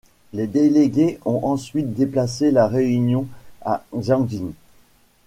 Les délégués ont ensuite déplacé la réunion à Jiaxing.